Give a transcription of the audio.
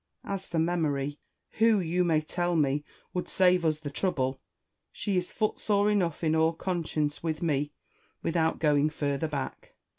As for Memory, who, you may tell me, would save us the trouble, she is footsore enough in all conscience with me, without going further back.